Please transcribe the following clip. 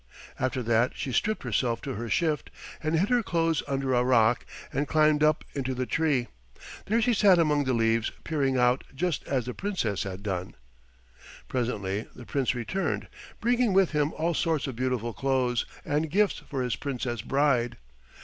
After that she stripped herself to her shift, and hid her clothes under a rock, and climbed up into the tree. There she sat among the leaves, peering out just as the Princess had done. Presently the Prince returned, bringing with him all sorts of beautiful clothes and gifts for his Princess bride.